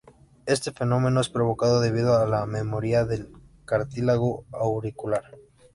Este fenómeno es provocado debido a la memoria del cartílago auricular.